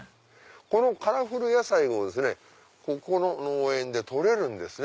このカラフル野菜をここの農園で採れるんですね。